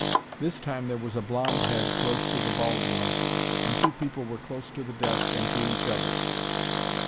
This time there was a blonde head close to the bald one, and two people were close to the desk and to each other.